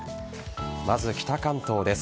まず北関東です。